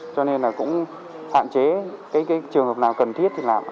cho nên là cũng hạn chế cái trường hợp nào cần thiết thì làm